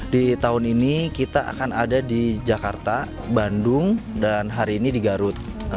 di tahun ini kita akan ada di jakarta bandung dan hari ini di garut